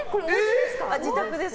自宅です。